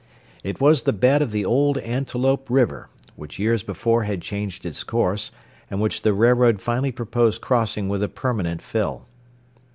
It was the bed of the old Antelope river, which years before had changed its course, and which the railroad finally proposed crossing with a permanent fill.